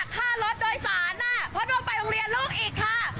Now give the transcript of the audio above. ค่ารถโดยสารเพราะโดนไปโรงเรียนลูกอีกค่ะ